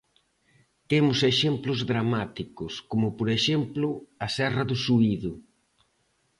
Temos exemplos dramáticos, como por exemplo a serra do Suído.